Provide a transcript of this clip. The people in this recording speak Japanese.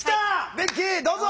ベッキーどうぞ。